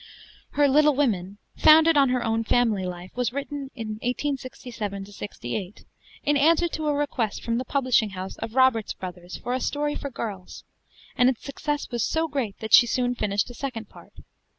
Her 'Little Women,' founded on her own family life, was written in 1867 68, in answer to a request from the publishing house of Roberts Brothers for a story for girls, and its success was so great that she soon finished a second part.